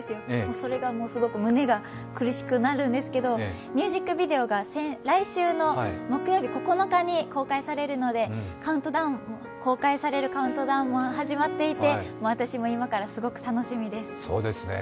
それがすごく胸が苦しくなるんですけど、ミュージックビデオが来週の木曜日、９日に公開されるので公開されるカウントダウンも始まっていて私も今からすごく楽しみです。